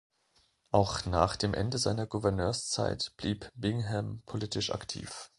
Auch nach dem Ende seiner Gouverneurszeit blieb Bingham politisch aktiv.